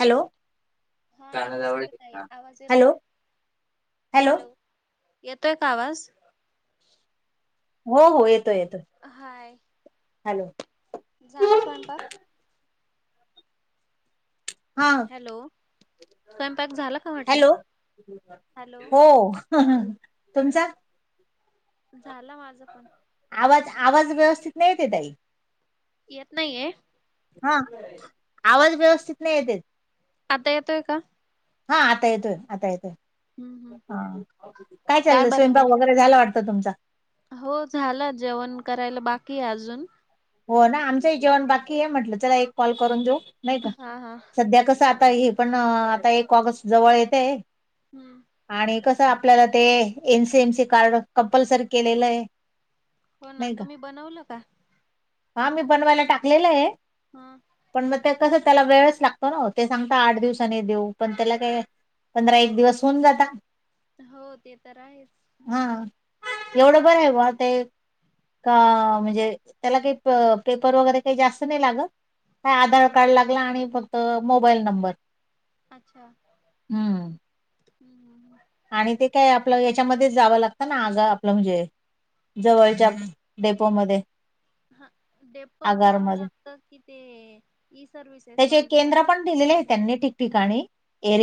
Hello हा नमस्ते ताई आवाज हॅलो येतेतोय हॅलो येतोय का आवाज हो हो येतोय येतोय हाय हॅलो झालं स्वयंपाक हा हॅलो स्वयंपाक झाला का म्हटलं हॅलो हॅलो हो ह तुमचा झालं माझं पण आवाज आवाज व्यवस्थित नाहीेते ताई येत नाहीये हा आवाज व्यवस्थित नाही येतेच आता येतय का हा आता येतोय आता येतोय हम्म हम्म हा काय चाललं स्वयंपाक वगैरे झाला वाटत तुमचा हो झाला जेवण करायला बाकी अजून हो ना आमचंही जेवण बाकी आहे म्हटलं चला एक कॉल करून देऊ नाही का हा हा सध्या कसं आता हे. पण आता एक ऑगस्ट जवळ येते. हम् आणि कसं आपल्याला ते एनसीएमसी कार्ड कंपल्सरी केलेलं आहे. हो ना नाही का तुम्ही बनवलं का? हा मी बनवायला टाकलेलं आहे. हा पण मग ते कसं त्याला वेळच लागतो ना ते सांगता आठ दिवसानी देऊ पण त्याला काय? पंधरा एक दिवस होऊन जाता. हो ते तर आहेच. हा एवढं आ बर आहे ग ते का म्हणजे त्याला काही पेपर वगैरे काही जास्त नाही लागत काय आधार कार्ड लागला आणि फक्त मोबाईल नंबर अच्छा हम्म हम् ह् ह् आणि ते काय आपलं याच्यामध्येच जावं लागतं ना आग आपलं म्हणजे जवळच्या डेपोमध्येध्ये हा डेपो जावं लागतं कि ते इई सर्व्हस त्याचे केंद्र पण दिलेले आहे त्यांनी ठिकठिकाणी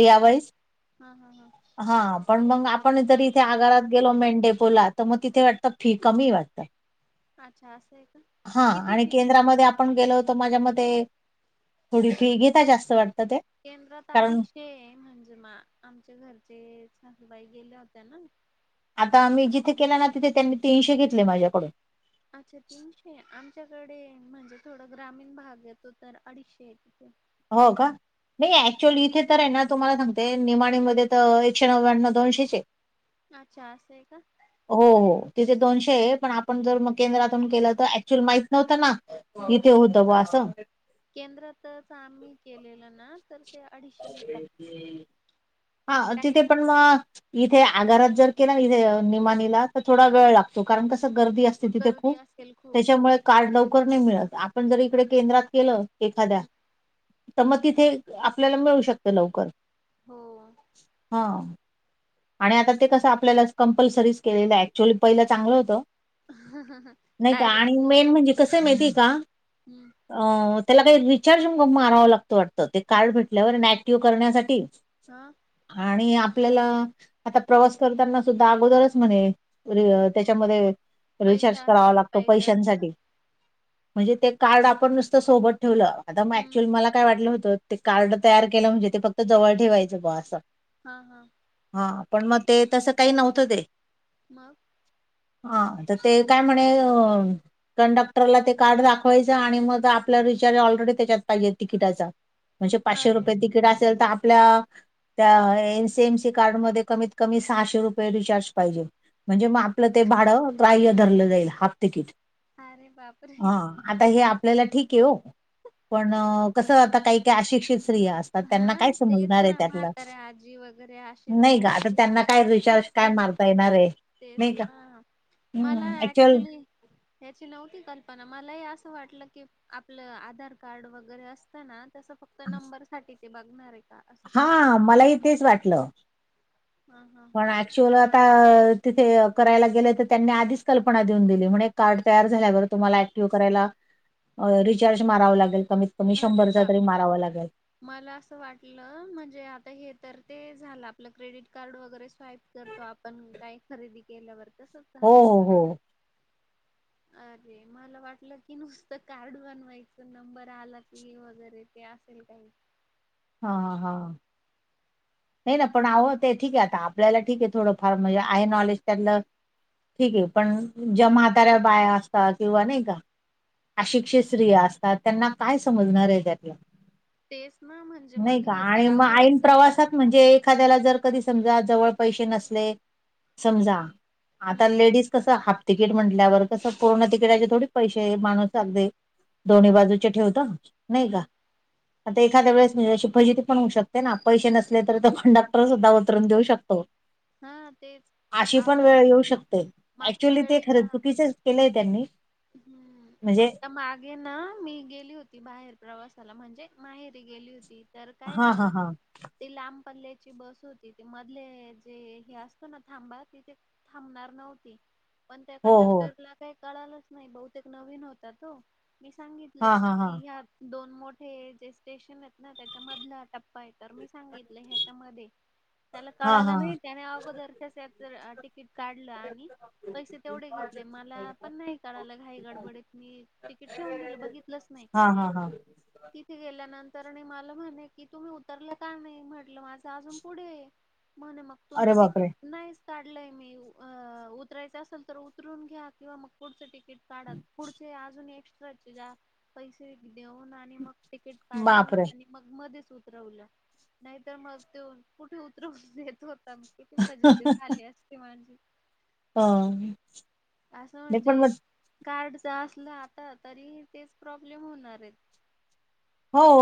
हा वाइज हा हा हा पण मग आपण जरी इथे आगारात गेलो मेन डेपोला त मग तिथे वाटतं फी कमी वाटतं. अच्छा असं आहे का हा किती आणि फी केंद्रामध्ये आपण गेलो होतो माझ्या मते थोडी फी घेता जास्त वाटतं ते. केंद्रात कारण अडीचशे म्हणजे मा आमच्या घरचे सासूबाई गेल्या होत्या ना आता मी जिथे केला ना तिथे त्यांनी तीनशे घेतले माझ्याकडून अच्छा तीनशे आमच्याकडे म्हणजे थोडा ग्रामीण भाग येतो तर अडीचशे आहे तिथे हो का नाही ऍक्च्युअली इथे तर आहे ना तुम्हाला सांगते निमाणी मध्ये तर एकशे नव्याण्णव दोनशेचे. अच्छार अस का हो हो तिथे दोनशे आहे पण आपण जर म केंद्रातून केलं तर ऍक्च्युअल माहित नव्हतं ना. हम् इथे हम् होतं बा असं. केंद्रातच आम्ही केलेलं ना, तर ते अडीचशे घेतात. [unintelligible] हा काही तिथे जण पण मं इथे आगारात जर केला ना इथे निमाणीला तर थोडा वेळ लागतो कारण कसं गर्दी अस त्या तिथे गर्दी खूप असेल खूप हो त्याच्यामुळे कार्ड लवकर नाही मिळत आपण जर इकडे केंद्रात केलं एखाद्या तं म तिथे आपल्याला मिळू शकतं लवकर. हो हं आणि आता ते कसं आपल्यालाच कंपल्सरीच केलेलं ऍक्च्युअली पहिलं चांगलं होतं. नाही का डायरेक्ट आणि मेन म्हणजे कसंये माहितीये का? हम्म अं त्याला काही रिचार्ज मारावा लागतं वाटतं ते कार्ड भेटल्यावर ऍक्टिव्ह करण्यासाठी. हा आणि आपल्याला आता प्रवास करताना सुद्धा अगोदरच म्हणे री त्याच्यामध्ये रिचार्ज पैसा करावा असायला लागतो पाहिजे असं पैशांसाठी. म्हणजे ते कार्ड आपण नुसतं सोबत ठेवलं आता मग हम्म ऍक्च्युअली मला काय वाटलं होतं ते कार्ड तयार केलं म्हणजे ते फक्त जवळ ठेवायचं बॉ असं. हा हा हा पण म ते तसं काही नव्हतं ते. मग हा तं ते काय म्हणे अ कंडक्टरला ते कार्ड दाखवायचं आणि मग आपला रिचार्ज ऑलरेडी त्याच्यात पाहिजे तिकीटाचा. म्हणजे पाचशे अरे रुपये तिकीट असेल तर आपल्या त्या [unintelligible] त्या कार्ड मध्ये कमीत कमी सहाशे रुपये रिचार्ज पाहिजे. म्हणजे म आपलं ते भाडं ग्राह्य धरलं जाईल हाफ तिकीट. अरे हा बापरे! आता हे आपल्याला ठीकये वो. पण कसं, आता काही काही अशिक्षित स्त्रिया अस तर त्यांना काय हां, तेच समजणार आहे ना त्यातलं? म्हाताऱ्या आजी व [unintelligible] नही का आता त्यांना काय रिचार्ज काय मारता येणार ये तेच नाही का? ना. मला हं, ऍक्च्युअल ऍक्च्युली ह्याची नव्हती कल्पना मलाही असं वाटलं की आपलं आधार कार्ड वगैरे असत ना? तसं फक्त नंबर साठी ते बघणार ये. हा मलाही तेच वाटलं. हा हा हां [unintelligible] आता तिथे करायला गेले तर त्यांनी आधीच कल्पना देऊन दिली म्हणे कार्ड तयार झाल्यावर तुम्हाला ऍक्टिव्ह करायला रिचार्ज मारावं लागेल कमी अरे शंभरदा बाप! तरी मारावा लागेल. मला असं वाटलं.. म्हणजे आता हे तर ते झालं आपलं क्रेडिट कार्ड वगैरे स्वाईप करतो आपण काय खरेदी केल्यावर तस हो हो हो अरे मला वाटलं की नुसतं कार्ड बनवायचं नंबर आला की वगैरे ते असेल काही हा हा नाही ना पण आहो ते ठीक ये आता आपल्याला ठीक ये थोडंफार म्हणजे आहे नॉलेज त्यातलं ठीक ये पण ज्या म्हाताऱ्या बाया असता किंवा नाही का? अशिक्षीत स्त्रिया असतात, त्यांना काय समजणार आहे त्यातलं? तेच ना म्हणजे नाही मग का, हे तर आणि मग ऐन अवघडच झालंय प्रवासात म्हणजे एखाद्याला जर कधी समजा जवळ पैसे नसले समजा आता हम्म लेडीज कसं हाफ तिकीट म्हटल्यावर कसं पूर्ण तिकीटाचे थोडी पैसे माणूस लागले. दोन्ही बाजूचे ठेवतो. नाही का, हम्म आता एखाद्या वेळेस अशी फजिती पण होऊ शकते ना पैसे नस कंडक्टर सुद्धा उतरून देऊ शकतो. हा तेच अशी पण अहो वेळ येऊ शकते मागच्या ऍक्च्युली ते वेळेला खरं चुकीचे केलंय त्यांनी हम्म.. म्हणजे आता मा आ.. मागे ना मी गेली होती बाहेर प्रवासाला म्हणजे माहेरी गेली होती. तर काय हा हा झालं? हा ती लांब पल्ल्याची बस होती ती मधले.. जे हे असतो ना थांबा तिथे थांबणार नव्हती. पण त्या हो हो कंडक्टरला काही कळालाच नाही बहुतेक नवीन होता तो मी हा सांगितलं हा हा की ह्या दोन मोठे जे स्टेशन आहेत ना त्याच्यामधलं टपं य तर मी सांगितलं ह्याच्यामध्ये त्याला हा हा कळाला नाही त्याने अगोदर तिकीट काढलं आणि पैसे तेवढे घेतले मला पण नाही झाल घाई गडबडीत मी तिकीट ठेऊून दिल बघितलंच नाही. हा हा हा तिथे गेल्यानंतरने मला म्हणे की तुम्ही उतरला का नाही म्हटलं माझं अजून पुढे म्हणे मग अरे तुमचं तिकीट बापरे नाहीच काढलंय मी अ. उतरायचं असेल तर उतरून घ्या किंवा मग पुढचे तिकीट काढात पुढचे अजून एक्स्ट्राचे जास्त पैसे देऊन आली. मग तिकट काढ बापरे आणि आ मग मध्येच उतरवलं, नाहीतर मग ते कुठे उतरव देतो. किती फजिती झाली असते म्हणजे तर हा. असं म्हणजे कार्डच असलं आता तरी तेच प्रॉब्लेम होणार आहेत. हो.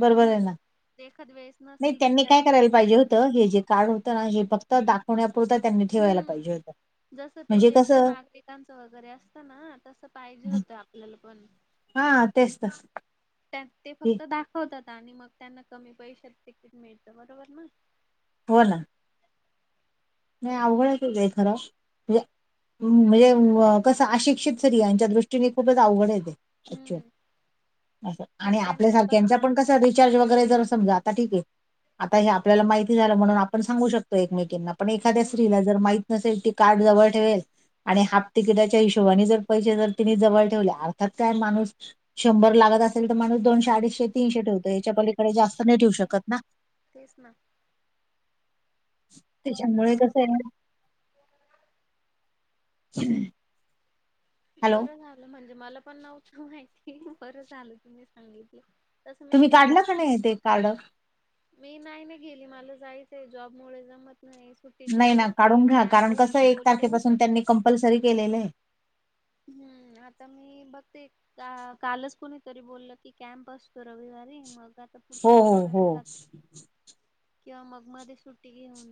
बरोबर आहे म्हन ना एखाद्या वेळेस नाही नसेल त्यांनी रिचार्ज काय करायला पाहिजे केलेलं होतं हे जे कारड होतं ना हे फक्त तर दाखवण्यापुरता त्यांनी ठेवायला हम्म पाहिजे होतं. जसं ते म्हणजे ज्येष्ठ कसं नागरिकांचं वगैरे असतं ना तसं पाहिजे होतं आपल्याला पण हा.. तेच तस ते फक्त दाखवतात आणि मग त्यांना कमी पैशात तिकीट मिळतं बरोबर ना. हो ना. नाही अवघड ते आहे खर. म्हणजे व. कसं अशिक्षित सरी यांच्या दृष्टीने खूपच अवघड आहे ते अच्छा हम्म अस. मग आणि आपल्या त्यांना सारख्यांचा पण कस रिचार्ज वगैरे जर समजा आता ठीक आहे. आता हे आपल्याला माहिती झालं म्हणून आपण सांगू शकतो एकमेकींना पण एखाद्या हम्म स्त्रीला जर माहित नसेल ती कार्ड जवळ ठेवेल. आणि हाफ तिकीटाच्या हिशोबाने जर पैसे जर तिने जवळ ठेवले अर्थात काय माणूस शंभर लागत असेल तर माणूस दोनशे अडीचशे तीनशे ठेवतो याच्या पलीकडे जास्त नाही ठेऊ हम्म शकत ना. तेच ना. तीच्यामुळे कसं आहे. ह्. बरं झालं म्हणजे मला पण नव्हतं माहिती बरं झालं तुम्ही सांगितलं. तसं तुम्ही मी काढला कोण जास्त य ते कार्ड मी नाही ना गेली मला जायचंय जॉबमुळे जमत नाहीस. नाही ना काढून घ्या कारण कसं एक बोलले तारखेपासून त्यांनी कंपल्सरी केलेलं आहे. हम्म आता मी बघते. का कालच कुणीतरी बोललं की कॅम्प असतो रविवारी मग हो पुढच्या हो रविवारी हो. जात किंवा मग मध्ये सुट्टी घेऊन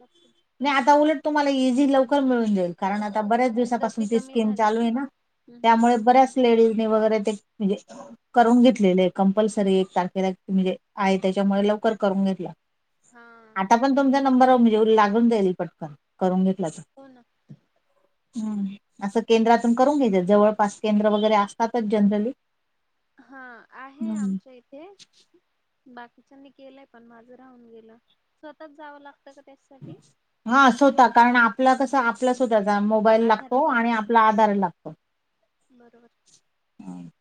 लागते. नाही आता उलट तुम्हाला इझी लवकर मिळून जाईल कारण आता बऱ्याच दिवस गर्दी कमी स्कीम झाली चालू आहे ना हम्म हम्म हम्म त्यामुळे बऱ्याच लेडीज वगैरे म्हणजे करून घेतलेले आहे कंपल्सरी एक तारखेला म्हणजे आहे त्याच्यामुळे लवकर करून घेतला. हा. ता पण तुमच्या नंबरवर म्हणजे लागून जाईल पटकन करून घेतला तर होन. हम. असं केंद्रातून करून घ्याचे जवळपास केंद्र वगैरे असतातच जनरली. हा आहे हम्म. आमच्या इथे बाकीच्यांनी केलंय पण माझं राहून गेलं स्वतःत जावं लागतं का त्या हा अस होत कारण आपला कस? आपला सुद्धाचा मोबाईल आधार लागतो आणि कार्ड आपला आधार लागतो. बरोबर.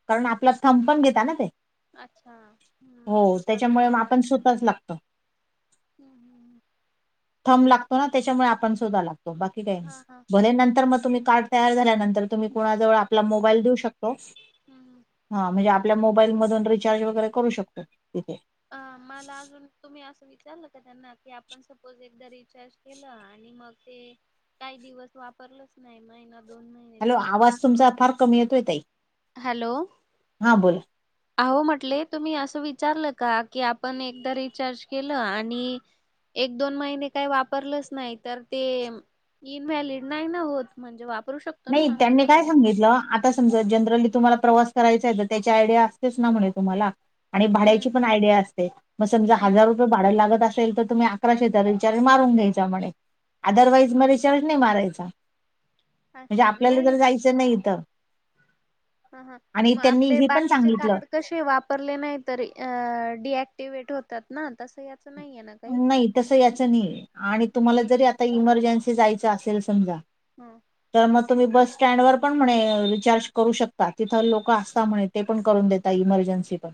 कारण आपला थमपण घेेत ना ते अच्छा हम् हो मग स्वतत त्याच्यामुळे जावं मग लाग आपण स्वतःच लागतो. हम्म हम्् थब लागतो ना त्याच्यामुळे आपण सुद्धा लागतो बाकी काही हा हा भले नंतर मग तुम्ही कारड झा तम् दे शको हम्म म्हण आपल्या मोबाईल मधून रिचार्ज वगैरे करू शकतो तिथे अ मला अजून तुम्ही असं विचारलं का त्यांना की आपण सपोज एकदा रिचार्ज केलं आणि मग ते काही दिवस वापरलंच नाही महिनत हॅलो आवाज तुमचा फार कमी येतोय तही हॅलो हा बोला अह म्हटले तुम्ही असं विचारलं का की आपण एकदा रिचार्ज केलं आणि एक दोन महिने काही वापरलंच नाही तर ते इन मॅलिड नाही ना होत म्हणजे वापरू शकत नाही त्यांनी काय सांगितलं समज जनरली तुम्हाला प्रवास करायचा आहे तर त्याची आयडिया असतेच ना म्हणे तुम्हाला आणि हम्म भाड्याची पण आयडिया असते मग समजा हम्म हजार रप भाडयला लागत असेल तर तुम्ही अकरा शेेतार विचार मारून घ्यायचा म्हणे अदरवाईज म रे शर्ट नाही मारायचा म्हणजे अच्छा आपल्याला नाही तर जायचं नाही तर हा हा आणि मग त्यांनी आपले हे पण बाकीचे सांगितलं कार्ड कसे वापरले नाही तर डीएक्टिवेट होतात ना तसं याच नाही आहे ना काही नाही तसं याचं नाही आणि तुम्हाला जरी आता इमर्जन्सी जायचं असेल समजा हम तर मग तुम्ही बस स्टँड वर पण म्हणे रिचार्ज करू शकता तिथं लोक असता म्हणत ते पण करून देता इमर्जन्सी पण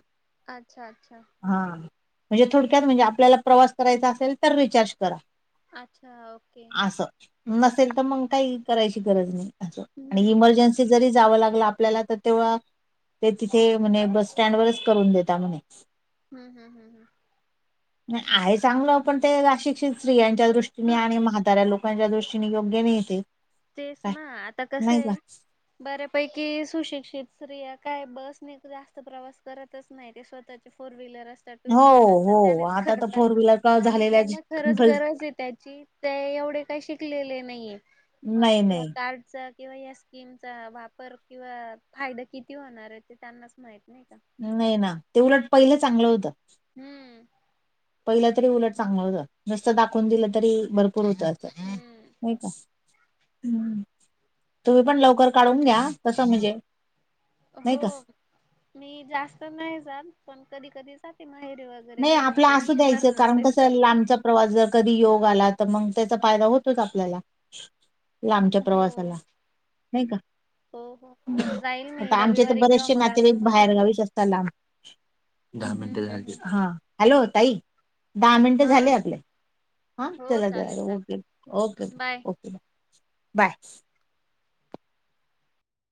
अच्छा अच्छा हा म्हणजे थोडक्यात म्हणजे आपल्याला प्रवास करायचा असेल तर रिचार्ज करा अच्छा ओके नल तर म काही करायची गरज हम्म नाही हम्म इमर्जन्सी जरी जावं लागलं आपल्याला तर तेव्हा ते तिथे म्ह बस स्टँड वरच करून देता म्हणे हम् हम हम हम आहे चांगलं आपण ते अशिक्षित स्त्रियांच्या दृष्टीने हा आणि म्हाताऱ्या लोक च्या्या दृष्टीने योग्य नाही ते तेच काय ना आता कसं नाही का आहे बऱ्यापैकी सुशिक्षित स्त्रिया काय बस नाही जास्त प्रवास करतच नाही ते स्वतःत फोर व्हीलर अस टू हो व्लर असतात हो त्यानेच आता तर करतात फोर व्हीलर का आणि झालेल्या ज्यांना खरच कंपल गरज आहे त्याची ते एवढे काही शिकलेले नाही मग नाही त्या नाही कारडच किंवा या स्कीमचा वापर किंवा फायदा किती होणार आहे ते त्यांनाच माहत नाही का नाही ना ते उलट पहिलं चांगलं होतं हम्म पहिलं तरी उलट चांगलं होत नुस्त दाखवून दिलं तरी बर पुरताच हम्म नाही का ह् तुम्ही पण लवकर काढून घ्या तस म्हणजे नाही हो का मी जास्त नाही जाल पण कधी कधी जाते माहेरी व नाही आपला असू द्यायचं कारण कसं मग. लांबच प्रवास जर कधी योग आला तर मग त्याचा फायदा होतोच आपल्याला लांबच्या हो प्रवासाला नाही का हो हो जाईल मी आता आमचे तर रविवारी किंवा बरेचसे मग आता नातेवाईक मध्ये बाहेर गावीच असतात लांब हम्म हम्म हम्म हॅल्लो ताई दहा मिनट हा झाले आपले हा हो चला चालेल चला चालेल okay okay bye. Okay bye